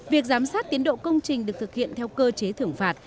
việc giám sát tiến độ công trình được thực hiện theo cơ chế thưởng phạt